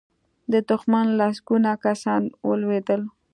د دښمن لسګونه کسان ولوېدل.